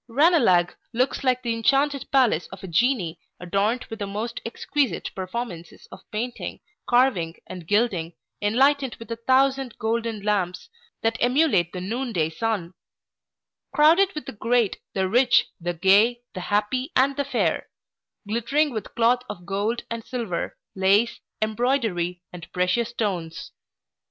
Ranelagh looks like the inchanted palace of a genie, adorned with the most exquisite performances of painting, carving, and gilding, enlightened with a thousand golden lamps, that emulate the noon day sun; crowded with the great, the rich, the gay, the happy, and the fair; glittering with cloth of gold and silver, lace, embroidery, and precious stones.